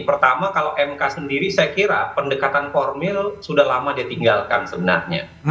pertama kalau mk sendiri saya kira pendekatan formil sudah lama dia tinggalkan sebenarnya